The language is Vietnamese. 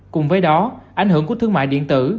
cùng với đó ảnh hưởng của thương mại điện tử